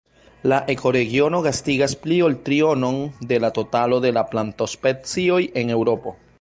La ekoregiono gastigas pli ol trionon de la totalo de la plantospecioj en Eŭropo.